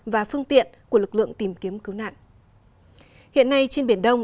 và phương tiện của lực lượng tìm kiếm cứu nạn